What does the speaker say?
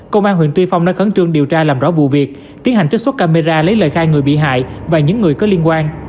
công an huyện tuy phong đã khẩn trương điều tra làm rõ vụ việc tiến hành trích xuất camera lấy lời khai người bị hại và những người có liên quan